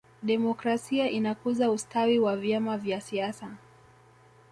demokrasia inakuza ustawi wa vyama vya siasa